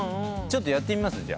ちょっとやってみます？